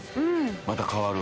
また変わる？